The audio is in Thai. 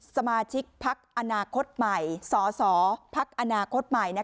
สมาชิกพักอนาคตใหม่สสพักอนาคตใหม่